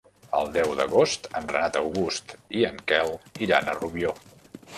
El deu d'agost en Renat August i en Quel iran a Rubió.